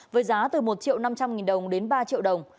với giá từ một triệu năm trăm linh nghìn đồng đến ba triệu đồng